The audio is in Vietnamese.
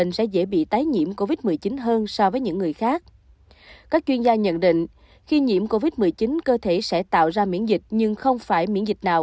nhận định khi nhiễm covid một mươi chín cơ thể sẽ tạo ra miễn dịch nhưng không phải miễn dịch nào